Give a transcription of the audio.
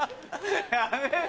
やめろ！